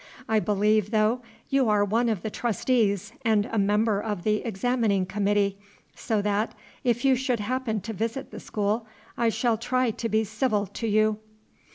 I believe, though, you are one of the Trustees and a Member of the Examining Committee; so that, if you should happen to visit the school, I shall try to be civil to you."